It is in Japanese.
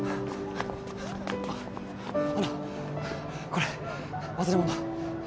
あのこれ忘れ物